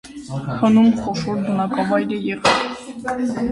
Հնում խոշոր բնակավայր է եղել։